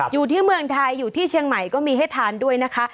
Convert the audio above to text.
อยู่ที่เมืองไทยอยู่ที่เชียงใหม่ก็มีให้ทานด้วยนะคะ